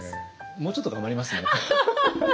もうちょっと頑張りますね。